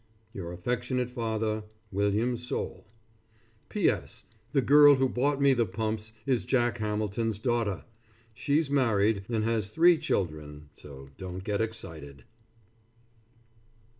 Your affectionate father, WILLIAM SOULE. P. S. The girl who bought me the pumps is Jack Hamilton's daughter. She's married and has three children so don't get excited.